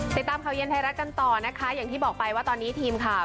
ติดตามข่าวเย็นไทยรัฐกันต่อนะคะอย่างที่บอกไปว่าตอนนี้ทีมข่าว